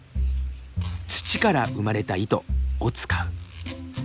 「土から生まれた糸」を使う。